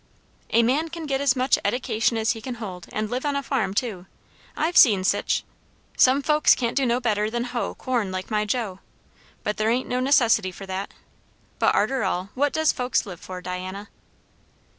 "A man can get as much edication as he can hold, and live on a farm too. I've seen sich. Some folks can't do no better than hoe corn like my Joe. But there ain't no necessity for that. But arter all, what does folks live for, Diana?"